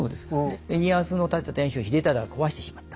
家康の建てた天守を秀忠は壊してしまった。